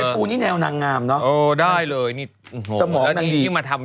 เย็ดปูนี้แนวนางงามเนอะโอ้ได้เลยนี่สมองนางงามแล้วนี่มาทำ